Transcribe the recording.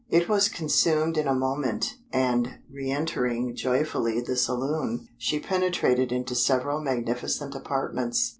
It was consumed in a moment, and re entering joyfully the saloon, she penetrated into several magnificent apartments.